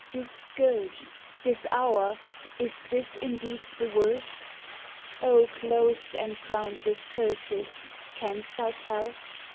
This scourge, this hour, is this indeed the worst? O clothed and crowned with curses, canst thou tell?